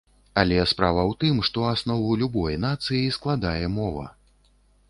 Але справа ў тым, што аснову любой нацыі складае мова.